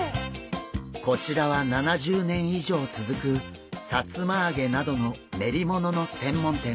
こちらは７０年以上続くさつま揚げなどの練り物の専門店。